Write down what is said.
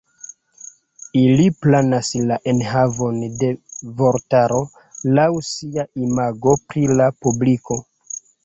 Ili planas la enhavon de vortaro laŭ sia imago pri la publiko.